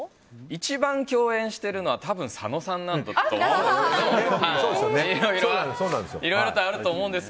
一番共演してるのは多分、佐野さんだと思うんです。